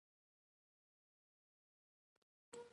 جانداد د نرمې موسکا خالق دی.